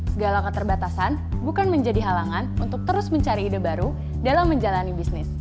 segala keterbatasan bukan menjadi halangan untuk terus mencari ide baru dalam menjalani bisnis